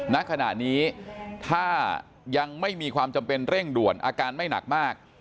ณขณะนี้ถ้ายังไม่มีความจำเป็นเร่งด่วนอาการไม่หนักมาก